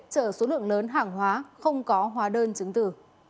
chở số lượng lớn hàng hóa không có hóa đơn chứng tử